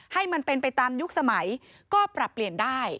ให้มันเป็นไปตามยุคสมัยก็ปรับเปลี่ยนได้